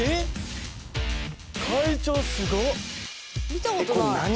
見たことない。